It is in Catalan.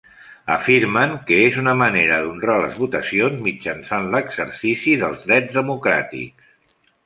Afirmen que és una manera d'honrar les votacions mitjançant l'exercici dels drets democràtics.